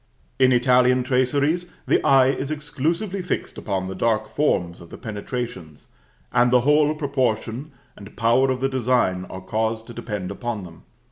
In Italian traceries the eye is exclusively fixed upon the dark forms of the penetrations, and the whole proportion and power of the design are caused to depend upon them.